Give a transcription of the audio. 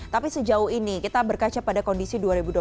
tapi sejauh ini kita berkaca pada kondisi dua ribu dua puluh satu